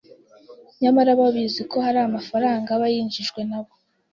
nyamara babizi ko hari amafaranga aba yinjijwe nabo